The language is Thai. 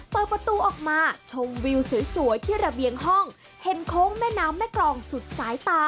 เปิดประตูออกมาชมวิวสวยที่ระเบียงห้องเห็นโค้งแม่น้ำแม่กรองสุดสายตา